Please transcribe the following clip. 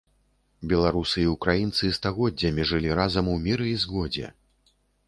Беларусы і ўкраінцы стагоддзямі жылі разам у міры і згодзе.